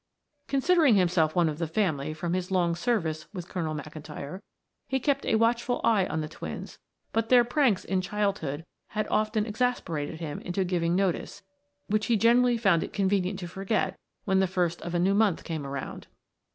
Considering himself one of the family from his long service with Colonel McIntyre, he kept a watchful eye on the twins, but their pranks in childhood had often exasperated him into giving notice, which he generally found it convenient to forget when the first of a new month came around.